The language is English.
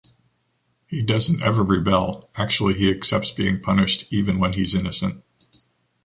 He doesn’t ever rebel, actually he accepts being punished even when he’s innocent.